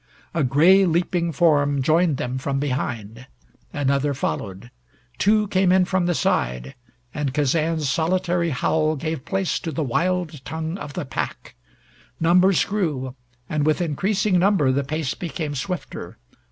A gray leaping form joined them from behind. Another followed. Two came in from the side, and Kazan's solitary howl gave place to the wild tongue of the pack. Numbers grew, and with increasing number the pace became swifter.